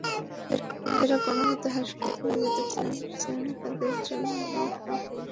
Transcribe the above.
যাঁরা কোনোমতো হাসপাতালে যেতে পেরেছেন, তাঁদের জন্যও প্রাপ্য সেবাও ছিল অপ্রতুল।